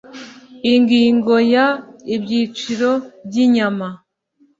ingingo ya ibyiciro by inyama